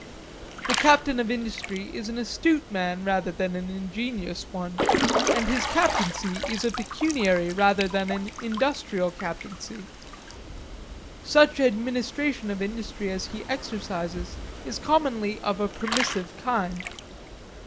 The captain of industry is an astute man rather than an ingenious one, and his captaincy is a pecuniary rather than an industrial captaincy. Such administration of industry as he exercises is commonly of a permissive kind.